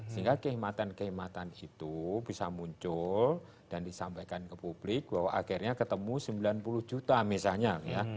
sehingga kekhidmatan kekhidmatan itu bisa muncul dan disampaikan ke publik bahwa akhirnya ketemu sembilan puluh juta misalnya ya